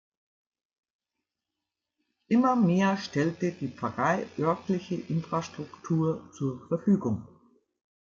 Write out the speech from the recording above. Immer mehr stellte die Pfarrei örtliche Infrastruktur zur Verfügung.